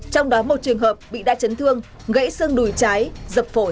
trong đó một trường hợp bị đa chấn thương gãy xương đùi trái dập phổi